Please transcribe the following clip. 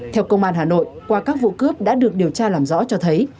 theo công an hà nội qua các vụ cướp đã được điều tra làm rõ cho thấy